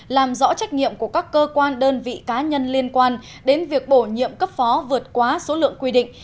làm rõ trách nhiệm của các cơ quan đơn vị cá nhân liên quan đến việc bổ nhiệm cấp phó vượt quá số lượng quy định